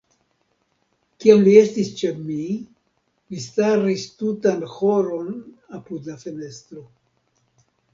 Kiam li estis ĉe mi, li staris tutan horon apud la fenestro.